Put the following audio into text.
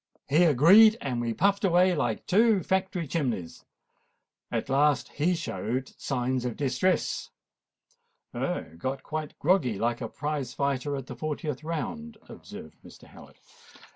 He agreed; and we puffed away like two factory chimnies. At last he showed signs of distress——" "Ah! got quite groggy, like a prize fighter at the fortieth round," observed Mr. Howard.